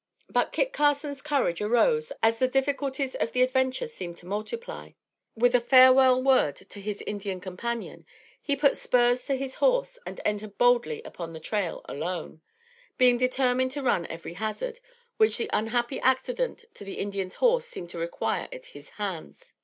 But Kit Carson's courage arose, as the difficulties of the adventure seemed to multiply. With a farewell word to his Indian companion, he put spurs to his horse and entered boldly upon the trail alone, being determined to run every hazard, which the unhappy accident to the Indian's horse seemed to require at his hands.